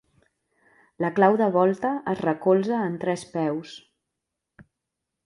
La clau de volta es recolza en tres peus.